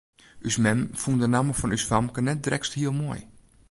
Us mem fûn de namme fan ús famke net drekst hiel moai.